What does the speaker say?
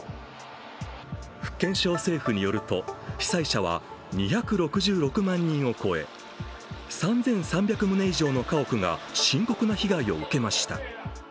福建省政府によると、被災者は２６６万人を超え、３３００棟以上の家屋が深刻な被害を受けました。